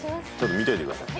見といてください。